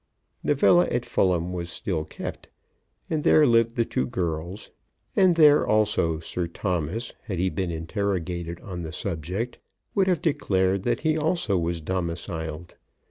The villa at Fulham was still kept, and there lived the two girls, and there also Sir Thomas, had he been interrogated on the subject, would have declared that he also was domiciled.